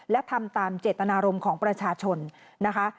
และทำตามเจตนารมณ์ของประชาชนนะคะ